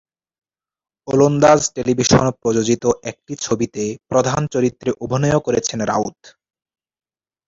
ওলন্দাজ টেলিভিশন প্রযোজিত একটি ছবিতে প্রধান চরিত্রে অভিনয়ও করেছেন রাউত।